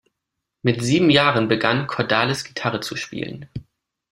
Mit sieben Jahren begann Cordalis Gitarre zu spielen.